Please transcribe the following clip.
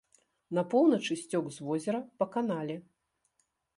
На поўначы сцёк з возера па канале.